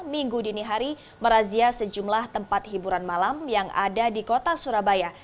minggu dini hari merazia sejumlah tempat hiburan malam yang ada di kota surabaya